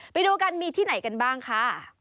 ไปดูกันมีที่ไหนกันบ้างค่ะ